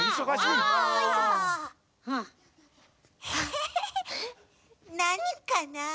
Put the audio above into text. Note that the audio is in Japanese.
ヘヘヘヘなにかな？